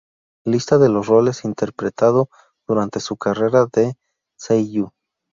Lista de los roles interpretado durante su carrera de seiyū.